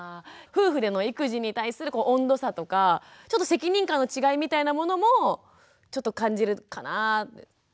夫婦での育児に対する温度差とかちょっと責任感の違いみたいなものもちょっと感じるかなぁ。